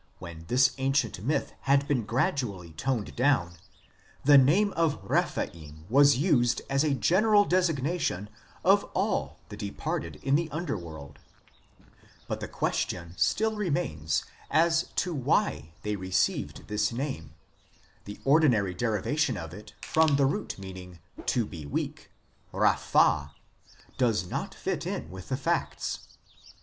74 IMMORTALITY AND THE UNSEEN WORLD this ancient myth had been gradually toned down, the name of Rephaim was used as a general designation of all the de parted in the underworld. But the question still remains as to why they received this name, the ordinary derivation of it from the root meaning "to be weak " (raphah) does not fit in with the facts.